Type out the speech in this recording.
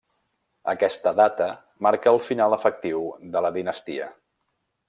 Aquesta data marca el final efectiu de la dinastia.